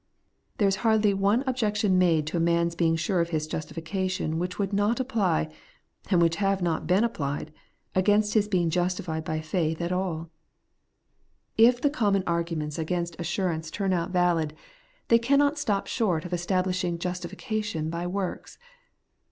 There is hardly one objection made to a man's being sure of his justifi cation which would not apply, and which have not been applied, against his being justified by faith at alL If the common arguments against assurance The Pardon and the Peace made sure. 153 turn out valid, they cannot stop short of establishing justification by works.